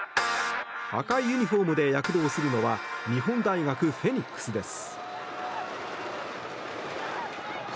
赤いユニホームで躍動するのは日本大学フェニックスです。